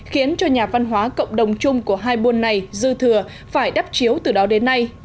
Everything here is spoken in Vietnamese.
khiến cho nhà văn hóa cộng đồng chung của hai buôn này dư thừa phải đắp chiếu từ đó đến nay